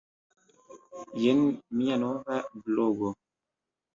Jen mia nova blogo.